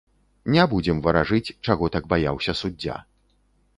Не будзем варажыць, чаго так баяўся суддзя.